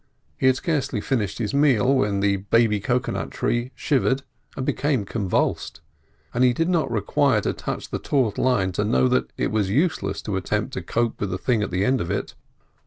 He had scarcely finished his meal when the baby cocoa nut tree shivered and became convulsed, and he did not require to touch the taut line to know that it was useless to attempt to cope with the thing at the end of it.